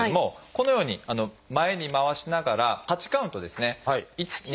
このように前に回しながら８カウントですね。